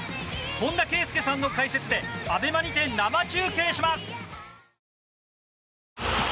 本田圭佑さんの解説でＡＢＥＭＡにて生中継します。